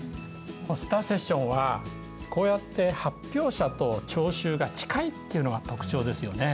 ポスターセッションはこうやって発表者と聴衆が近いっていうのが特徴ですよね。